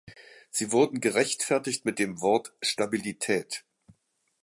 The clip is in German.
Sie wurden gerechtfertigt mit dem Wort "Stabilität".